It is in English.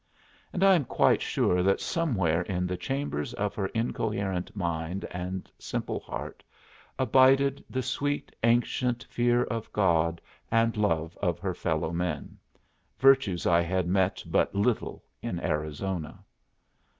And I am quite sure that somewhere in the chambers of her incoherent mind and simple heart abided the sweet ancient fear of God and love of her fellow men virtues I had met but little in Arizona.